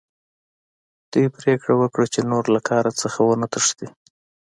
دوی پریکړه وکړه چې نور له کار څخه ونه تښتي